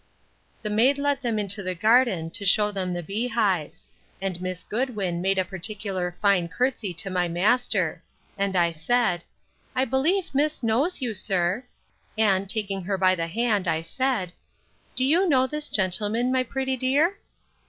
The maid led them into the garden, to shew them the beehives; and Miss Goodwin made a particular fine courtesy to my master; and I said, I believe miss knows you, sir; and, taking her by the hand, I said, Do you know this gentleman, my pretty dear?